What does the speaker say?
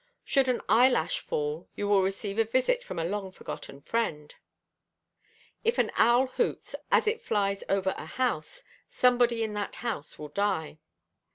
Should an eyelash fall, you will receive a visit from a long forgotten friend. If an owl hoots as it flies over a house, somebody in that house will die.